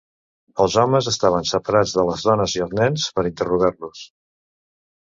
Els homes estaven separats de les dones i els nens per interrogar-los.